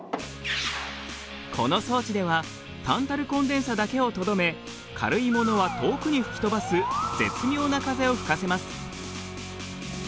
この装置ではタンタルコンデンサだけをとどめ軽いものは遠くに吹き飛ばす絶妙な風を吹かせます。